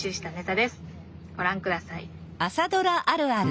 ご覧ください。